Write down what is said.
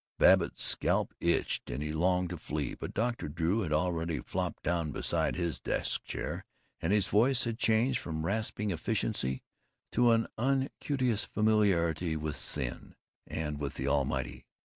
Babbitt's scalp itched and he longed to flee, but Dr. Drew had already flopped down beside his desk chair and his voice had changed from rasping efficiency to an unctuous familiarity with sin and with the Almighty.